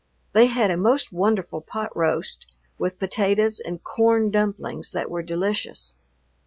They had a most wonderful pot roast with potatoes and corn dumplings that were delicious.